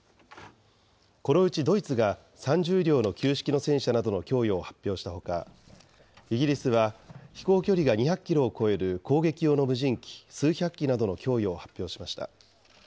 このうちドイツが、３０両の旧式の戦車などの供与を発表したほか、イギリスは、飛行距離が２００キロを超える攻撃用の無人機、数百機などの供与を発表しました。